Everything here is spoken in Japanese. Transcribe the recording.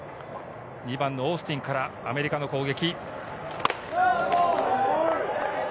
２番のオースティンからアメリカの攻撃。